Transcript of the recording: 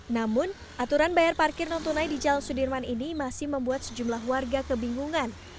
namun aturan bayar parkir non tunai di jalan sudirman ini masih membuat sejumlah warga kebingungan